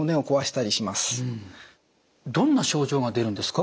どんな症状が出るんですか？